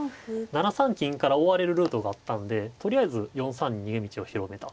７三金から追われるルートがあったんでとりあえず４三に逃げ道を広げたと。